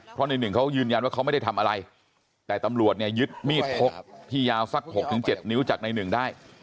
เพราะในหนึ่งเขายืนยันว่าเขาไม่ได้ทำอะไรแต่ตำรวจเนี่ยยึดมีดพกที่ยาวสัก๖๗นิ้วจากในหนึ่งได้